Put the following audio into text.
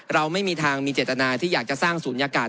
เราไม่มีทางมีเจตนาที่อยากจะสร้างศูนยากาศ